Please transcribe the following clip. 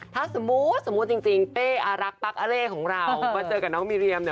ถ้าสมูทจริงเป้อารักปั๊กอเลของเรามาเจอกับน้องมิเรียมเนี่ย